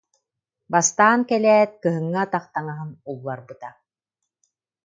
Бастаан кэлээт, кыһыҥҥы атах таҥаһын улларбыта.